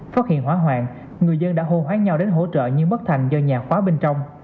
phát hiện hỏa hoạn người dân đã hô hoáng nhau đến hỗ trợ nhưng bất thành do nhà khóa bên trong